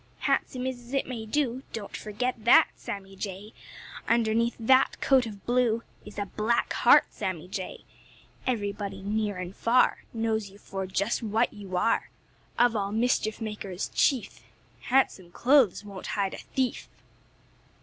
"Handsome is as it may do! Don't forget that, Sammy Jay. Underneath that coat of blue Is a black heart, Sammy Jay. Everybody near and far Knows you for just what you are— Of all mischief makers chief. Handsome clothes won't hide a thief."